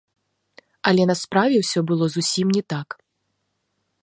Але на справе ўсё было зусім не так.